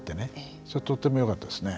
それとってもよかったですね。